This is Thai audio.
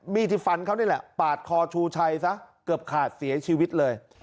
ที่ฟันเขานี่แหละปาดคอชูชัยซะเกือบขาดเสียชีวิตเลย